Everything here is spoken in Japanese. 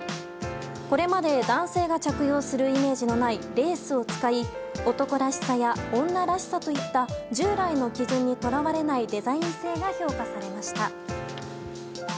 これまで男性が着用するイメージのないレースを使い男らしさや女らしさといった従来の基準に捉われないデザイン性が評価されました。